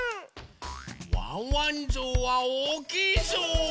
ワンワンぞうはおおきいぞう！